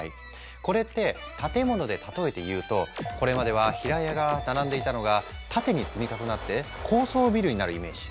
これって建物で例えていうとこれまでは平屋が並んでいたのが縦に積み重なって高層ビルになるイメージ。